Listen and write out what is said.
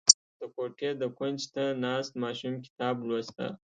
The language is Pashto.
• د کوټې د کونج ته ناست ماشوم کتاب لوسته.